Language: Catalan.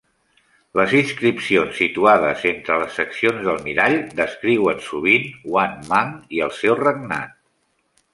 Les inscripcions situades entre les seccions del mirall descriuen sovint Wang Mang i el seu regnat.